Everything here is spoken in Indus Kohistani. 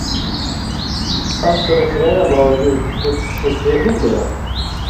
اَس سُرسیۡرَیں یاں باوجود)، تُس شُکھریہ گِن نېراں تھہ؟